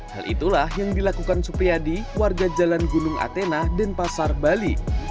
hal itulah yang dilakukan supriyadi warga jalan gunung atena dan pasar bali